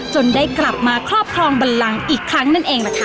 ได้กลับมาครอบครองบันลังอีกครั้งนั่นเองล่ะค่ะ